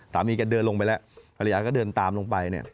สามีกันเดินลงไปแล้วภรรยาก็เดินตามลงไป